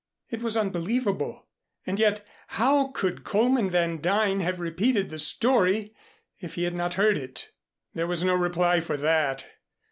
It was unbelievable. And yet how could Coleman Van Duyn have repeated the story if he had not heard it? There was no reply for that.